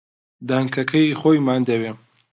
دەنگەکەی خۆیمان دەوێ